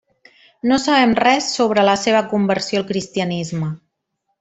No sabem res sobre la seva conversió al cristianisme.